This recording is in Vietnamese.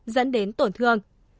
dẫn đến tổn thương